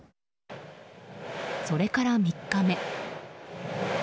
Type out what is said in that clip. それから３日目。